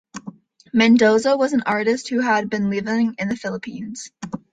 Mendoza was an artist who has been living the Philippines.